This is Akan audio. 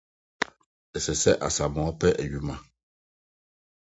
Ɛsɛ sɛ Asamoa pɛ adwuma.